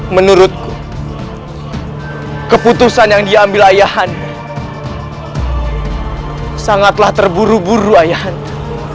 menurutku keputusan yang diambil ayah anda sangatlah terburu buru ayah anda